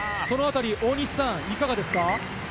大西さん、いかがですか？